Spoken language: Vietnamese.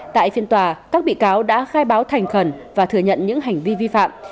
tại phiên tòa các bị cáo đã khai báo thành khẩn và thừa nhận những hành vi vi phạm